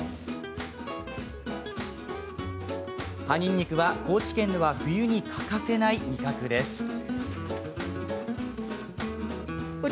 葉ニンニクは高知県では冬に欠かせない味覚です。